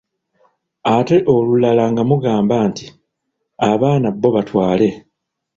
Ate olulala ng'amugamba nti:"abaana bo batwale"